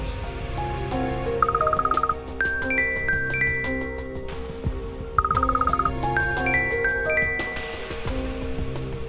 bisa mencari koneksi